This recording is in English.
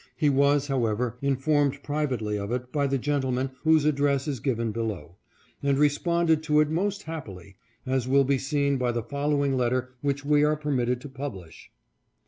He was, however, in formed privately of it by the gentlemen whose address is given below, and responded to it most happily, as will be seen by the following letter which we are permitted to publish."